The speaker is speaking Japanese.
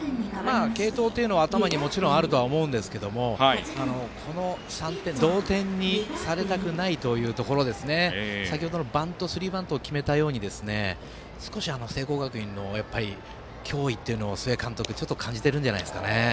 継投というのは頭にもちろんあるとは思うんですがこの同点にされたくないというところで先程のスリーバントを決めたように少し聖光学院の脅威を須江監督はちょっと感じているんじゃないですかね。